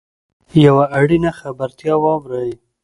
یوه اړینه خبرتیا واورﺉ .